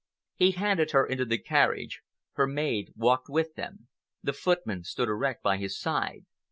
He handed her into the carriage. Her maid walked with them. The footman stood erect by his side.